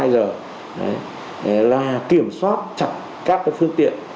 đấy là kiểm soát chặt các phương tiện